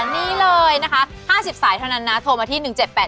นี่เลยนะคะ๕๐สายเท่านั้นนะโทรมาที่๑๗๘๘